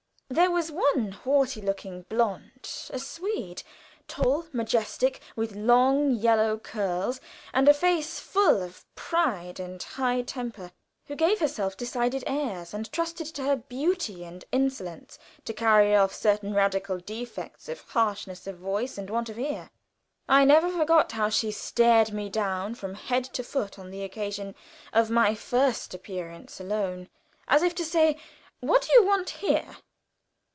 There was one haughty looking blonde a Swede tall, majestic, with long yellow curls, and a face full of pride and high temper, who gave herself decided airs, and trusted to her beauty and insolence to carry off certain radical defects of harshness of voice and want of ear. I never forgot how she stared me down from head to foot on the occasion of my first appearance alone, as if to say, "What do you want here?"